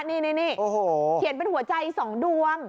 นี่เขียนเป็นหัวใจ๒ดวง